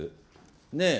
ねえ。